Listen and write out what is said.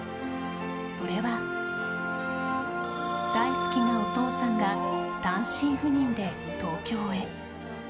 それは、大好きなお父さんが単身赴任で東京へ。